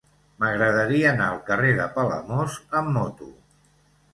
M'agradaria anar al carrer de Palamós amb moto.